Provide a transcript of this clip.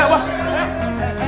pak pak pak